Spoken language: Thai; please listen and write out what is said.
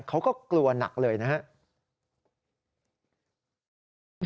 เขาก็กลัวหนักเลยนะครับ